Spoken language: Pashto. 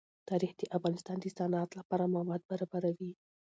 تاریخ د افغانستان د صنعت لپاره مواد برابروي.